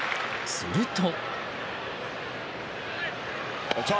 すると。